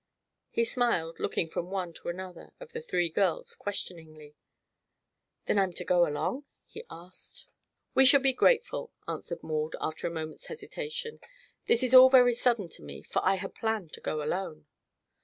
He smiled, looking from one to another of the three girls questioningly. "Then I'm to go along?" he asked. "We shall be grateful," answered Maud, after a moment's hesitation. "This is all very sudden to me, for I had planned to go alone."